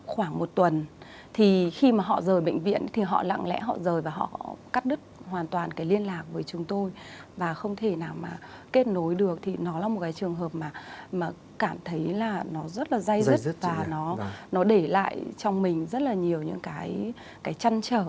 khoảng một tuần thì khi mà họ rời bệnh viện thì họ lặng lẽ họ rời và họ cắt đứt hoàn toàn cái liên lạc với chúng tôi và không thể nào mà kết nối được thì nó là một cái trường hợp mà cảm thấy là nó rất là dây dứt và nó để lại trong mình rất là nhiều những cái chăn trở